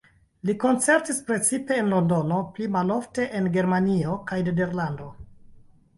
Li koncertis precipe en Londono, pli malofte en Germanio kaj Nederlando.